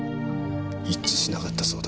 一致しなかったそうだ。